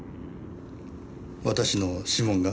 私の指紋が？